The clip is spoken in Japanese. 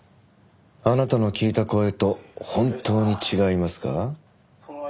あなたの聞いた声と本当に違いますか？